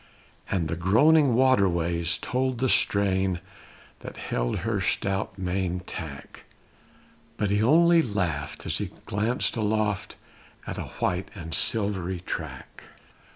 And the groaning water ways told the strain that held her stout main tack, But he only laughed as he glanced aloft at a white and silv'ry track.